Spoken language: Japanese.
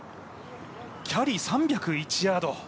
キャリー３０１ヤード！？